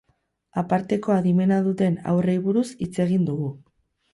Aparteko adimena duten haurrei buruz hitz egin dugu.